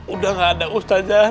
udah nggak ada ustadzah